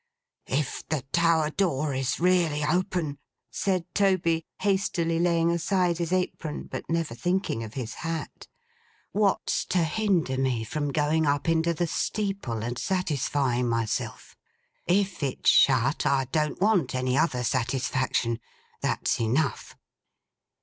'If the tower door is really open,' said Toby, hastily laying aside his apron, but never thinking of his hat, 'what's to hinder me from going up into the steeple and satisfying myself? If it's shut, I don't want any other satisfaction. That's enough.